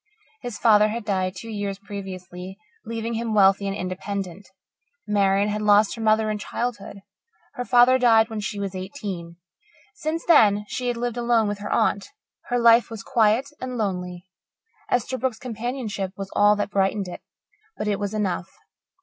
His father had died two years previously, leaving him wealthy and independent. Marian had lost her mother in childhood; her father died when she was eighteen. Since then she had lived alone with her aunt. Her life was quiet and lonely. Esterbrook's companionship was all that brightened it, but it was enough.